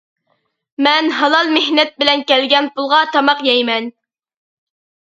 مەن ھالال مېھنەت بىلەن كەلگەن پۇلغا تاماق يەيمەن.